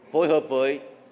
phối hợp với